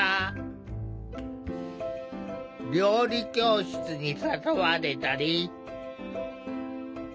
料理教室に誘われたり。